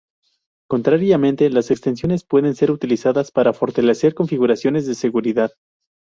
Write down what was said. Contrariamente, las extensiones pueden ser utilizadas para fortalecer configuraciones de seguridad.